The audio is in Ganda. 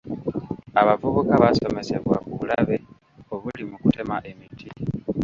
Abavubuka baasomesebwa ku bulabe obuli mu kutema emiti.